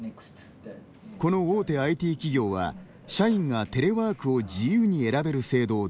この大手ＩＴ企業は社員がテレワークを自由に選べる制度を導入。